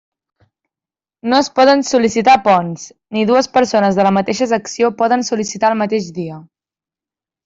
No es poden sol·licitar ponts, ni dues persones de la mateixa secció poden sol·licitar el mateix dia.